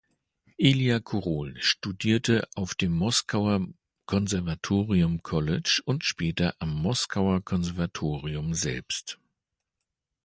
Ilia Korol studierte auf dem Moskauer Konservatorium College und später am Moskauer Konservatorium selbst.